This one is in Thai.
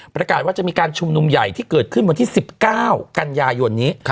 ประกาศว่าจะมีการชุมนุมใหญ่ที่เกิดขึ้นวันที่๑๙กันยายนนี้